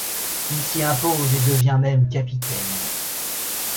Il s'y impose et devient même capitaine.